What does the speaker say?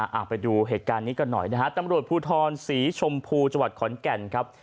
เอาไปดูเหตุการณ์นี้กันหน่อยนะฮะตำรวจภูทรศรีชมพูจังหวัดขอนแก่นครับ